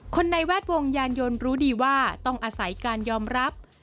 ในแวดวงยานยนต์รู้ดีว่าต้องอาศัยการยอมรับ